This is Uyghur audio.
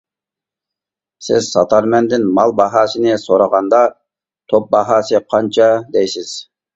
سىز ساتارمەندىن مال باھاسىنى سورىغاندا: «توپ باھاسى قانچە» دەيسىز.